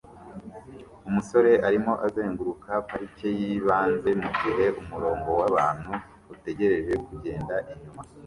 Umusore arimo azenguruka parike yibanze mugihe umurongo wabantu utegereje kugenda inyuma